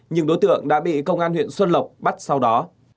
nhưng đối tượng đã bị công an huyện xuân lộc bắt sau đó